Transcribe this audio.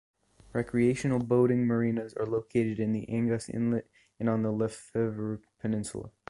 Recreational boating marinas are located in the Angas Inlet and on the Lefevre Peninsul.